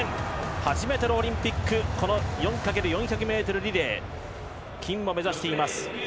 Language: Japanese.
初めてのオリンピックこの４×４００ｍリレー金を目指しています。